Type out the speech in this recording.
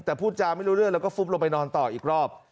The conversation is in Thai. แต่พูดจาไม่รู้เรื่องแล้วก็ฟุบลงไปนอนต่ออีกรอบ